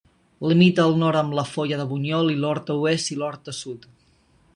Limita al nord amb la Foia de Bunyol i l'Horta Oest i l'Horta Sud.